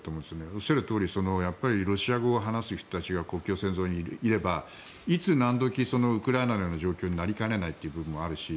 おっしゃるとおりロシア語を話す人たちが国境線沿いにいればいつ何時ウクライナのような状況になりかねないという部分もあるし